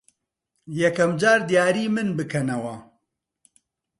یەکەم جار دیاریی من بکەنەوە.